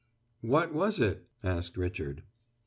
"What was it?" asked Richard.